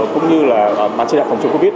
cũng như là ban chỉ đạo phòng chống covid